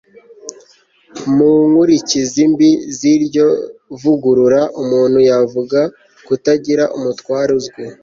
mu nkurikizi mbi z'iryo vugurura, umuntu yavuga kutagira umutware uzwi